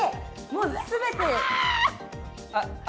もう全てあ！